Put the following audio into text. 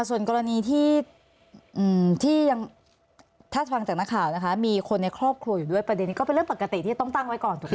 ส่วนกรณีที่ยังถ้าฟังจากนักข่าวนะคะมีคนในครอบครัวอยู่ด้วยประเด็นนี้ก็เป็นเรื่องปกติที่ต้องตั้งไว้ก่อนถูกไหมค